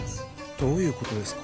どういうことですか？